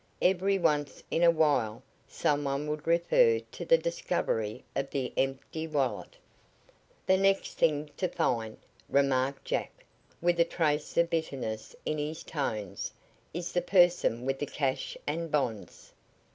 Every once in a while some one would refer to the discovery of the empty wallet. "The next thing to find," remarked jack, with a trace of bitterness in his tones, "is the person with the cash and the bonds."